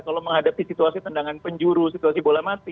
kalau menghadapi situasi tendangan penjuru situasi bola mati